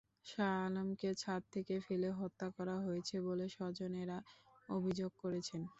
শাহ আলমকে ছাদ থেকে ফেলে হত্যা করা হয়েছে বলে স্বজনেরা অভিযোগ করেছেন।